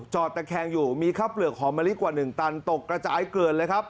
จอดตะแคงอยู่มีข้าวเปลือกหอมมานิดกว่าหนึ่งตันตกกระจายเกินเลยครับ